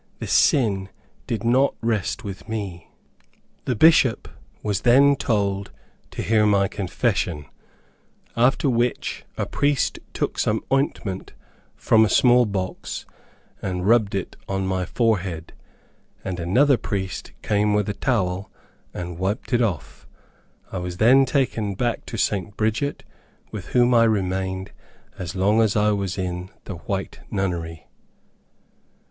The sin did not rest with me. The Bishop was then told to hear my confession, after which, a priest took some ointment from a small box, and rubbed it on my forehead, and another priest came with a towel and wiped it off. I was then taken back to St. Bridget, with whom I remained, as long as I was in the White Nunnery.